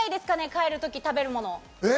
帰るとき食べるもの。